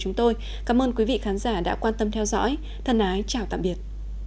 chúng tôi cảm ơn quý vị khán giả đã quan tâm theo dõi thân ái chào tạm biệt